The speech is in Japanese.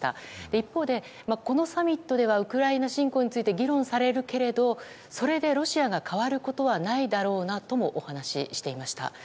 一方で、このサミットではウクライナ侵攻について議論されるけれどそれで、ロシアが変わることはないだろうともお話していました。